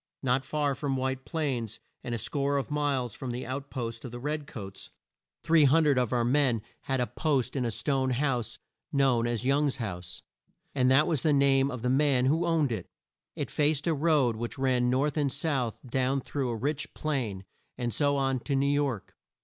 Not far from White Plains and a score of miles from the out posts of the red coats 300 of our men had a post in a stone house known as Young's house, as that was the name of the man who owned it. It faced a road which ran north and south down through a rich plain, and so on to New York.